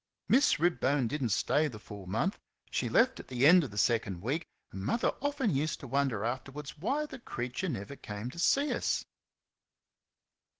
Miss Ribbone did n't stay the full month she left at the end of the second week; and Mother often used to wonder afterwards why the creature never came to see us.